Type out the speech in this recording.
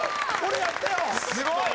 すごい！